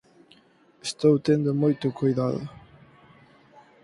Estou tendo moito coidado.